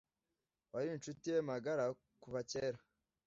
wari inshuti ye magara kuva kera